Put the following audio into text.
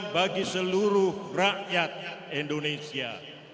bagi seluruh rakyat indonesia